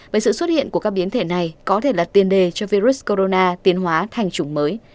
với sự xuất hiện của các biến thể này có thể là tiền đề cho virus corona tiến hóa thành chủng mới